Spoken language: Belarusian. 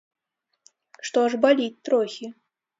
Што аж баліць трохі.